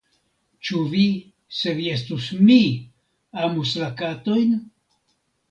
Ĉu vi, se vi estus mi, amus la katojn?